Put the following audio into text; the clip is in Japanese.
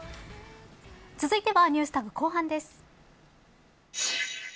続いてはＮｅｗｓＴａｇ後半です。